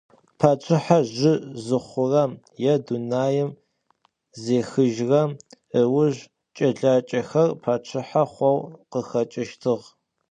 Paççıher zjı zıxhurem yê dunaim zêxıjrem ıujj ç'elaç'exer paççıhe xhou khıxeç'ıştığ.